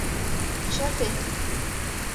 — Чыте!..